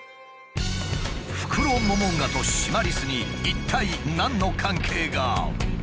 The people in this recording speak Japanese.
フクロモモンガとシマリスに一体何の関係が？